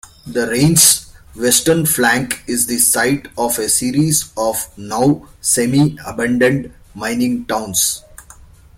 The range's western flank is the site of a series of now-semi-abandoned mining towns.